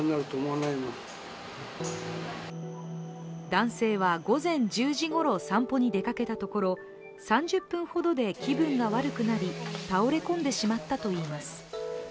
男性は午前１０時ごろ散歩に出かけたところ、３０分ほどで気分が悪くなり倒れ込んでしまったといいます。